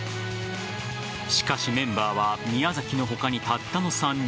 しかし、メンバーは宮崎の他にたったの３人。